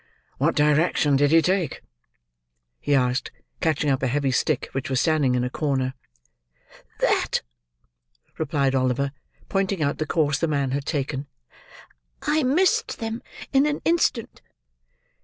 "What direction did he take?" he asked, catching up a heavy stick which was standing in a corner. "That," replied Oliver, pointing out the course the man had taken; "I missed them in an instant."